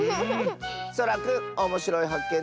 そらくんおもしろいはっけん